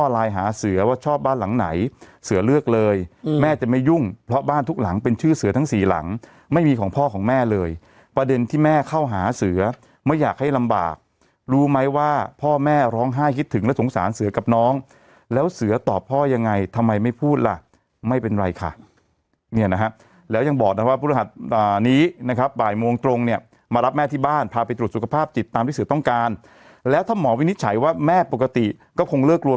ลายหาเสือว่าชอบบ้านหลังไหนเสือเลือกเลยแม่จะไม่ยุ่งเพราะบ้านทุกหลังเป็นชื่อเสือทั้งสี่หลังไม่มีของพ่อของแม่เลยประเด็นที่แม่เข้าหาเสือไม่อยากให้ลำบากรู้ไหมว่าพ่อแม่ร้องไห้คิดถึงและสงสารเสือกับน้องแล้วเสือตอบพ่อยังไงทำไมไม่พูดล่ะไม่เป็นไรค่ะเนี่ยนะครับแล้วยังบอกนะว่าพุทธหัสตอนนี้นะคร